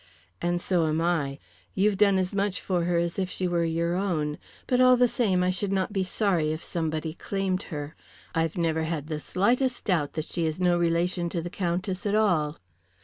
"And so am I. You've done as much for her as if she were your own, but all the same I should not be sorry if somebody claimed her. I've never had the slightest doubt that she is no relation to the Countess at all."